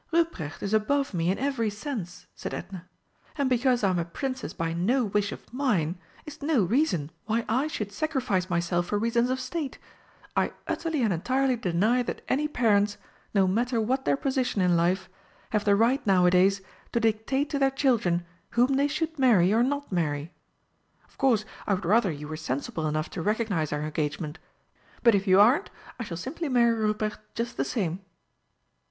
"Ruprecht is above me in every sense," said Edna; "and because I'm a Princess by no wish of mine is no reason why I should sacrifice myself for reasons of state. I utterly and entirely deny that any parents, no matter what their position in life, have the right nowadays to dictate to their children whom they should marry or not marry. Of course, I would rather you were sensible enough to recognise our engagement, but if you aren't, I shall simply marry Ruprecht just the same."